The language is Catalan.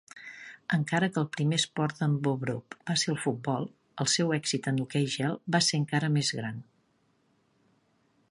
Encara que el primer esport d'en Bobrov va ser el futbol, el seu èxit en hoquei gel va ser encara més gran.